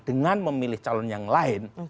dengan memilih calon yang lain